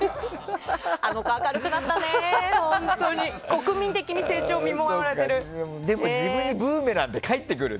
国民的に成長を見守られてる。